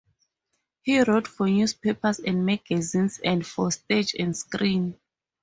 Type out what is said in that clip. He wrote for newspapers and magazines and for stage and screen.